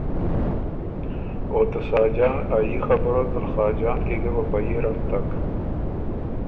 او ته ساجان ا يي خبُره دل خاجان کی ګۀ په په يي رنګ تک۔